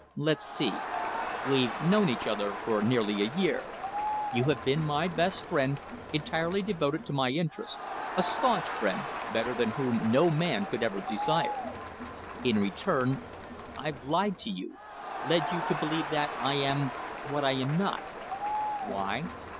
"Let's see we've known each other for nearly a year. You have been my best friend, entirely devoted to my interests a staunch friend, better than whom no man could ever desire. In return I've lied to you, led you to believe that I am what I am not. Why?